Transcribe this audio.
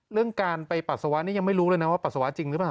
เรื่องการไปปัสสาวะนี่ยังไม่รู้เลยนะว่าปัสสาวะจริงหรือเปล่า